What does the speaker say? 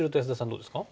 どうですか？